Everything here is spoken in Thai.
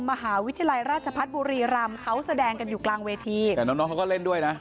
มหาวิทยาลัยราชพัฒน์บุรีรำเขาแสดงกันอยู่กลางเวทีแต่น้องน้องเขาก็เล่นด้วยนะ